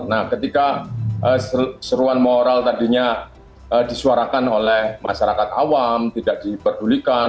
nah ketika seruan moral tadinya disuarakan oleh masyarakat awam tidak diperdulikan